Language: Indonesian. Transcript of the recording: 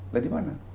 lah di mana